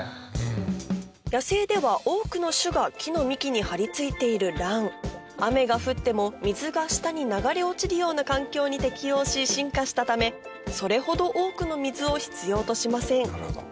野生では多くの種が木の幹に張り付いている蘭雨が降っても水が下に流れ落ちるような環境に適応し進化したためそれほど多くの水を必要としません